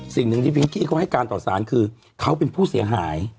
สิ่งหนึ่งที่พิงกี้เขาให้การต่อสารคือเขาเป็นผู้เสียหาย